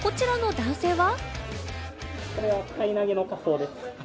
こちらの男性は。